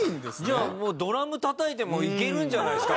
じゃあドラムたたいてもいけるんじゃないですか？